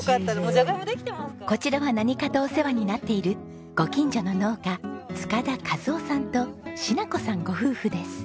こちらは何かとお世話になっているご近所の農家塚田一雄さんとしな子さんご夫婦です。